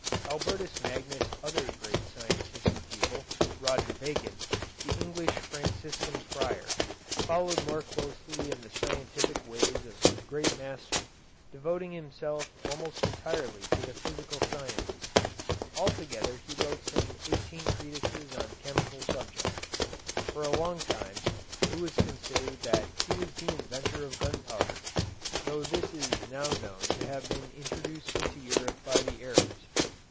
Albertus Magnus' other great scientific pupil, Roger Bacon, the English Franciscan friar, followed more closely in the scientific ways of his great master, devoting himself almost entirely to the physical sciences. Altogether he wrote some eighteen treatises on chemical subjects. For a long time it was considered that he was the inventor of gunpowder, though this is now known to have been introduced into Europe by the Arabs.